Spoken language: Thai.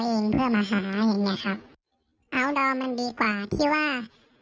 เหมือนพวกเมื่อก่อนก็จะเป็นพวกเพิร์ตอย่างนี้ครับ